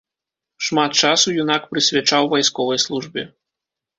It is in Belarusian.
Шмат часу юнак прысвячаў вайсковай службе.